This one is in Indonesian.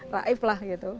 raif lah gitu